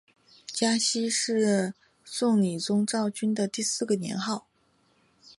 嘉熙是宋理宗赵昀的第四个年号。